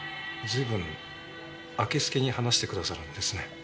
随分明け透けに話してくださるんですね。